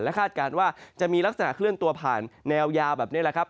คาดการณ์ว่าจะมีลักษณะเคลื่อนตัวผ่านแนวยาวแบบนี้แหละครับ